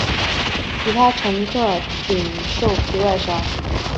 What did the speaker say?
其他乘客仅受皮外伤。